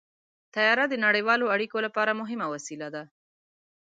طیاره د نړیوالو اړیکو لپاره مهمه وسیله ده.